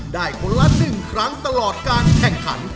ได้คนละหนึ่งครั้งตลอดการแข่งขัน